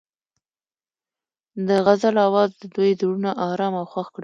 د غزل اواز د دوی زړونه ارامه او خوښ کړل.